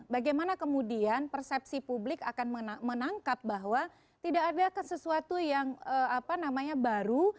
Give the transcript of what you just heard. bagaimana kemudian persepsi publik akan menangkap bahwa tidak ada sesuatu yang baru